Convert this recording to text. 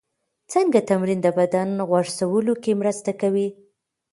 څنګه تمرین د بدن غوړ سوځولو کې مرسته کوي؟